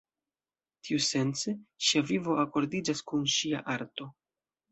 Tiusence, ŝia vivo akordiĝas kun ŝia arto.